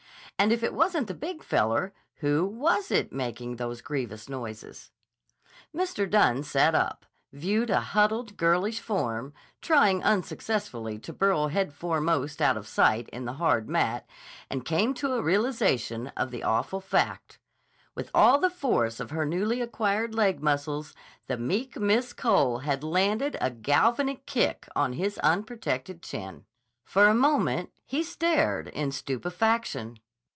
And if it wasn't the Big Feller, who was it making those grievous noises? Mr. Dunne sat up, viewed a huddled, girlish form trying unsuccessfully to burrow headforemost out of sight in the hard mat, and came to a realization of the awful fact. With all the force of her newly acquired leg muscles, the meek Miss Cole had landed a galvanic kick on his unprotected chin. For a moment he stared in stupefaction.